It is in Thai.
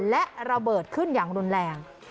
และระเบิดขึ้นอย่างรุนแรง